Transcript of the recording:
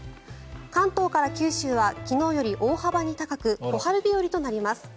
関東から九州は昨日より大幅に高く小春日和となります。